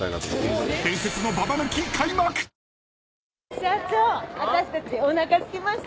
社長私たちおなかすきました。